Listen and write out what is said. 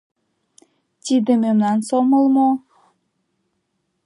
«Тиде мемнан сомыл мо?